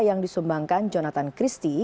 yang disumbangkan jonathan christie